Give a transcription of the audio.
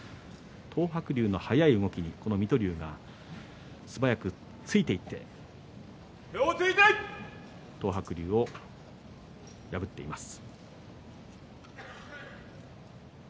東白龍の速い動きにこの水戸龍が素早くついていって東白龍を破っています。